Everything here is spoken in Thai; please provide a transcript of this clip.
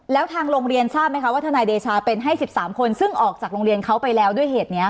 แล้วทางโรงเรียนทราบไหมคะว่าทนายเดชาเป็นให้๑๓คนซึ่งออกจากโรงเรียนเขาไปแล้วด้วยเหตุนี้